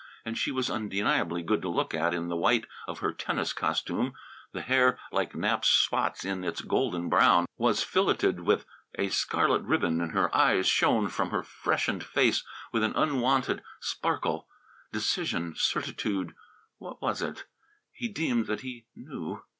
And she was undeniably good to look at in the white of her tennis costume; the hair, like Nap's spots in its golden brown, was filleted with a scarlet ribbon, and her eyes shone from her freshened face with an unwonted sparkle decision, certitude what was it? He deemed that he knew.